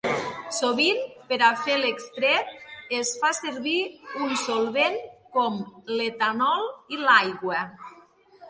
Sovint per a fer l'extret es fa servir un solvent com l'etanol o l'aigua.